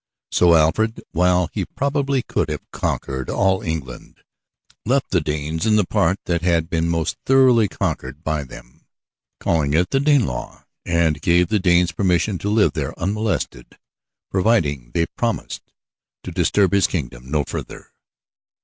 So Alfred, while he probably could have conquered all England, left the Danes in the part that had been most thoroughly conquered by them, calling it the Danelaw, and gave the Danes permission to live there unmolested, providing they promised to disturb his kingdom no further.